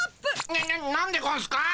なななんでゴンスか？